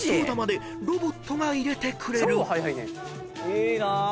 「いいな！